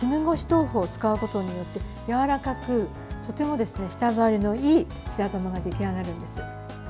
豆腐を使うことによってやわらかくとても舌触りのいい白玉が出来上がるんです。